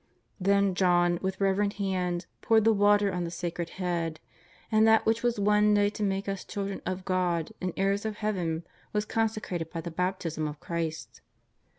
Then John with reverent hand poured the water on that sacred head, and that which was one day to make us children of God and heirs of Heaven was consecrated by the Baptism of Christ.